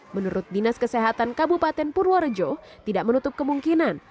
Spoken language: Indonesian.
menurut dinas kesehatan kabupaten purworejo tidak menutup kemungkinan